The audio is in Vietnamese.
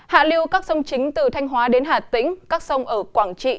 hạ lưu các sông chính từ thanh hóa đến hà tĩnh các sông ở quảng trị